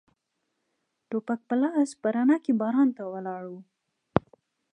ټوپک په لاس په رڼا کې باران ته ولاړ و.